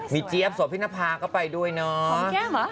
เจี๊ยบโสพินภาก็ไปด้วยเนาะ